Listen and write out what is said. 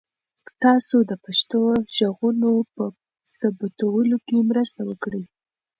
تاسو د پښتو ږغونو په ثبتولو کې مرسته وکړئ.